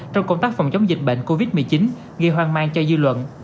trong công tác phòng chống dịch bệnh covid một mươi chín gây hoang mang cho dư luận